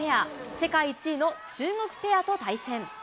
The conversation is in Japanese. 世界１位の中国ペアと対戦。